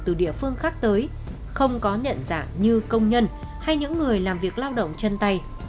từ địa phương khác tới không có nhận dạng như công nhân hay những người làm việc lao động chân tay